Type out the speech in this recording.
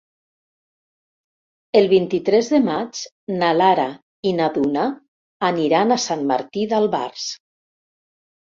El vint-i-tres de maig na Lara i na Duna aniran a Sant Martí d'Albars.